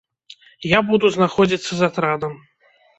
Я буду знаходзіцца з атрадам.